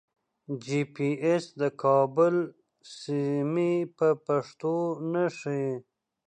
جي پي ایس د کابل سیمې په پښتو نه ښیي.